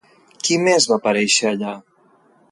Qui més va aparèixer allà?